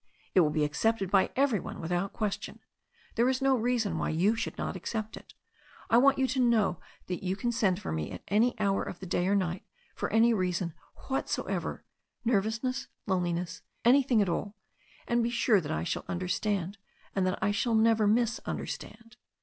It will be accepted by everybody without ques tion. There is no reason why you should not accept it. I want you to know that you can send for me at any hour of the day or night, for any reason whatsoever, nervous ness, loneliness, anything at all, and be sure that I shall no* derstand, and that I shall never misunderstand."